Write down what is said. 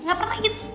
gak pernah gitu